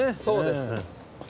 そうです。